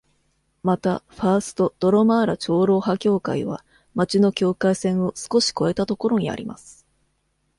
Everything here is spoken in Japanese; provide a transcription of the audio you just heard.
また、ファースト・ドロマーラ長老派教会は町の境界線を少し越えたところにあります。